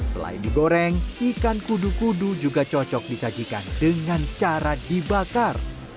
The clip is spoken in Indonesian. selain digoreng ikan kudu kudu juga cocok disajikan dengan cara dibakar